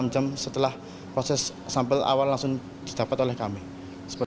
enam jam setelah proses sampel awal langsung didapat oleh kami